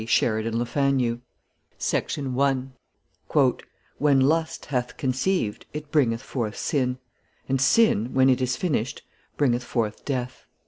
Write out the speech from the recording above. Sheridan LeFanu 1895 "When Lust hath conceived, it bringeth forth Sin: and Sin, when it is finished, bringeth forth Death."